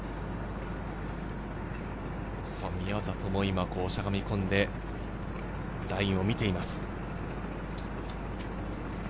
宮里も今、しゃがみ込んで、ラインを見ています。